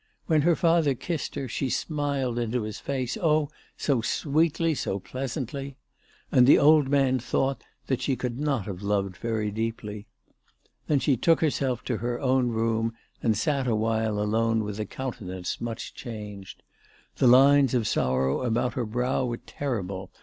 When her father kissed her, she smiled into his face, oh, so sweetly, so pleasantly ! And the old man thought that she could not have loved very deeply. Then she took herself to her own room, and sat awhile alone with a countenance much changed.. The lines of sorrow about her brow were terrible.